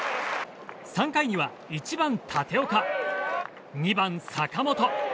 ３回には１番、立岡、２番、坂本